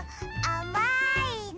あまいの？